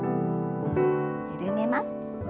緩めます。